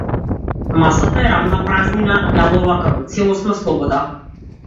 Масата е рамна празнина, јалова како целосна слобода.